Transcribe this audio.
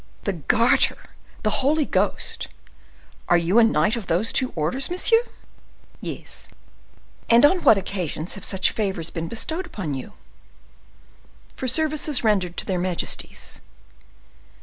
"The Garter! the Holy Ghost! Are you a knight of those two orders, monsieur?" "Yes." "And on what occasions have such favors been bestowed upon you?" "For services rendered to their majesties."